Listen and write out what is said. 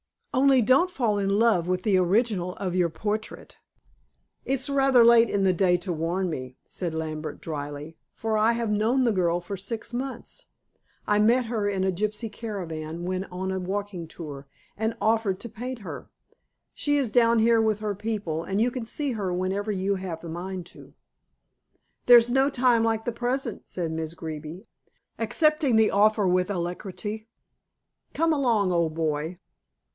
Only don't fall in love with the original of your portrait." "It's rather late in the day to warn me," said Lambert dryly, "for I have known the girl for six months. I met her in a gypsy caravan when on a walking tour, and offered to paint her. She is down here with her people, and you can see her whenever you have a mind to." "There's no time like the present," said Miss Greeby, accepting the offer with alacrity. "Come along, old boy."